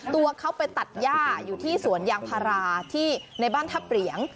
ตัวเขาไปตัดย่าอยู่ที่สวนยางพาราที่ในบ้านทัพเหรียง